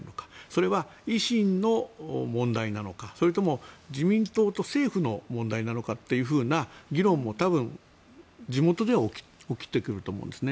それは維新の問題なのかそれとも自民党と政府の問題なのかというような議論も多分、地元では起きてくると思うんですね。